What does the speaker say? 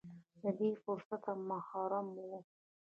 له دې فرصته محروم و.